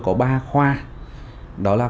có ba khoa đó là